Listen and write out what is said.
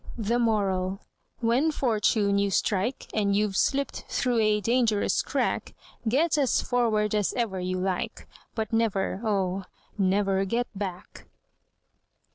The Moral: When fortune you strike, And you've slipped through a dangerous crack, Get as forward as ever you like, But never, oh, never get back!